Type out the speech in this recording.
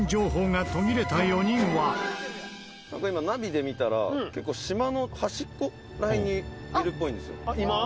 ここで「今ナビで見たら結構島の端っこら辺にいるっぽいんですよ」